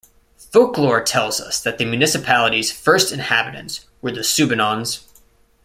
Folklore tell us that the municipality's first inhabitants were the Subanons.